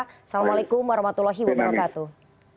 assalamualaikum warahmatullahi wabarakatuh